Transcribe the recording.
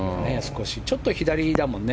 ちょっと左だもんね。